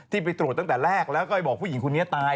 ไปตรวจตั้งแต่แรกแล้วก็ไปบอกผู้หญิงคนนี้ตาย